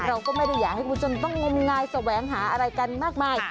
เราก็ไม่ได้อยากให้คุณผู้ชมต้องงมงายแสวงหาอะไรกันมากมาย